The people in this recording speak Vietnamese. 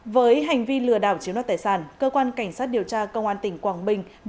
với hành vi lừa đảo chiếm đoạt tài sản cơ quan cảnh sát điều tra công an tỉnh quảng bình